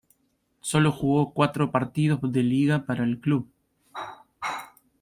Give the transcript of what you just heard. Solo jugó cuatro partidos de liga para el club.